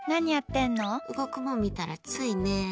動くもの見たら、ついね。